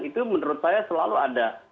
itu menurut saya selalu ada